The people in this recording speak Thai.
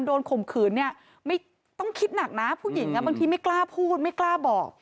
ข่มขืนเนี่ยไม่ต้องคิดหนักนะผู้หญิงบางทีไม่กล้าพูดไม่กล้าบอก